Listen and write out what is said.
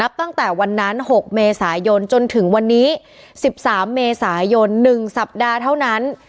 นับตั้งแต่วันนั้นหกเมษายนจนถึงวันนี้สิบสามเมษายนหนึ่งสัปดาห์เท่านั้น